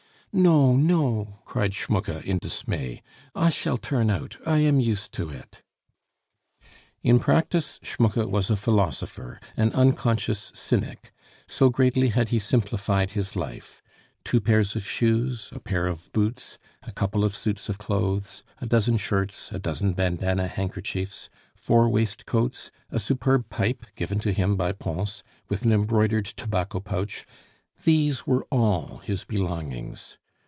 "No, no!" cried Schmucke in dismay. "I shall turn out; I am used to it " In practice Schmucke was a philosopher, an unconscious cynic, so greatly had he simplified his life. Two pairs of shoes, a pair of boots, a couple of suits of clothes, a dozen shirts, a dozen bandana handkerchiefs, four waistcoats, a superb pipe given to him by Pons, with an embroidered tobacco pouch these were all his belongings.